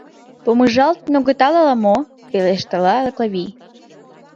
Помыжалтын огытыл ала мо? — пелешткала Клавий.